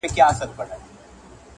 کولای سي چي سالمه